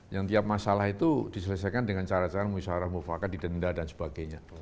yang tiap masalah itu diselesaikan dengan cara cara muisharah mufakat di denda dan sebagainya